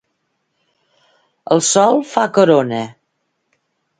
El sol fa corona.